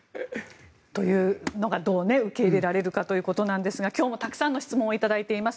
というのがどう受け入れられるかですが今日もたくさんの質問を頂いています。